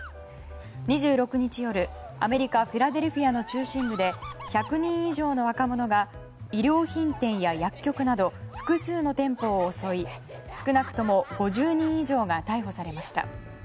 ２６日夜、アメリカフィラデルフィアの中心部で１００人以上の若者が衣料品店や薬局など複数の店舗を襲い少なくとも５０人以上が逮捕されました。